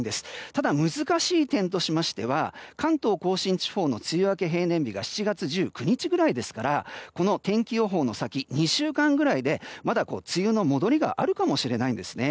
ただ難しい点としましては関東・甲信地方の梅雨明け平年日が７月１９日くらいですからこの天気予報の先２週間ぐらいで梅雨の戻りがあるかもしれないんですね。